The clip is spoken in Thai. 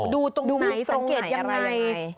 ดูตรงไหนสังเกตยังไง